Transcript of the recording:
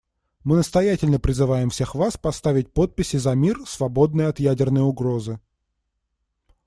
Мы настоятельно призываем всех вас поставить подписи за мир, свободный от ядерной угрозы.